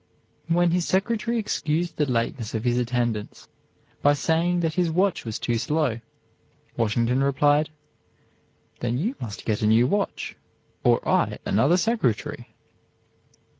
When his secretary excused the lateness of his attendance by saying that his watch was too slow, Washington replied, "Then you must get a new watch, or I another secretary."